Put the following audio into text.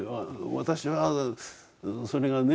私はそれがね